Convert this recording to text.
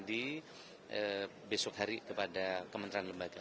di besok hari kepada kementerian lembaga